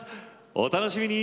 お楽しみに！